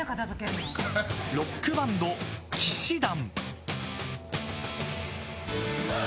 ロックバンド、氣志團。